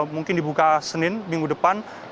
mungkin dibuka senin minggu depan